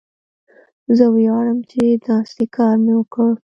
زه ویاړم چې داسې کار مې وکړ.